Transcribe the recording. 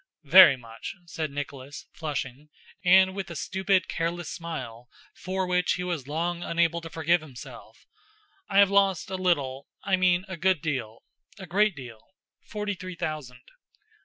"Very much," said Nicholas flushing, and with a stupid careless smile, for which he was long unable to forgive himself, "I have lost a little, I mean a good deal, a great deal—forty three thousand."